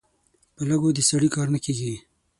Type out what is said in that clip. په لږو د سړي کار نه کېږي.